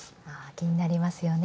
気になりますよね。